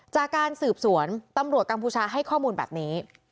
จากการสืบสวนตำรวจกัมพูชาให้ข้อมูลแบบนี้